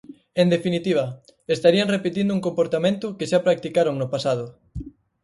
En definitiva, estarían repetindo un comportamento que xa practicaron no pasado.